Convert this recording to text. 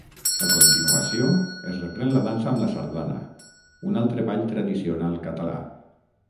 A continuació es reprèn la dansa amb la Sardana, un altre ball tradicional català.